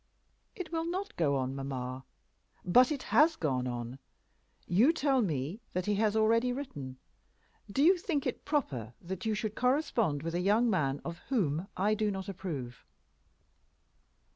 "It will not go on, mamma." "But it has gone on. You tell me that he has already written. Do you think it proper that you should correspond with a young man of whom I do not approve?"